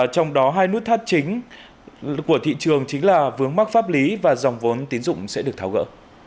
trong đó hai nút thắt chính của thị trường chính là vướng mắc pháp lý và dòng vốn tín dụng sẽ được tháo gỡ